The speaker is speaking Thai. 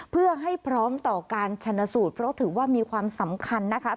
เพื่อให้พร้อมต่อการชนสูตรเพราะถือว่ามีความสำคัญนะคะ